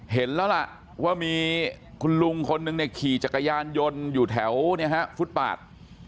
เห็นแล้วล่ะว่ามีคุณลุงคนนึงเนี่ยขี่จักรยานยนต์อยู่แถวฟุตปาด